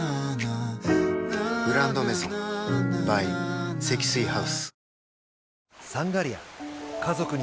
「グランドメゾン」ｂｙ 積水ハウス